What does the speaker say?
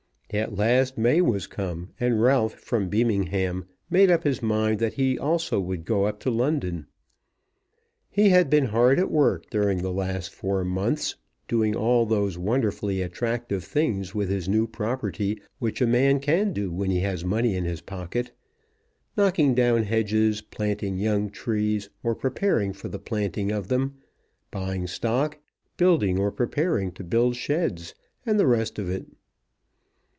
At last May was come, and Ralph from Beamingham made up his mind that he also would go up to London. He had been hard at work during the last four months doing all those wonderfully attractive things with his new property which a man can do when he has money in his pocket, knocking down hedges, planting young trees or preparing for the planting of them, buying stock, building or preparing to build sheds, and the rest of it.